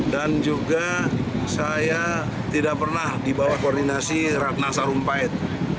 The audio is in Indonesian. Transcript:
dan juga saya tidak pernah di bawah koordinasi ratna sarumpait